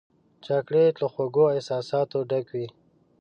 چاکلېټ له خوږو احساساتو ډک وي.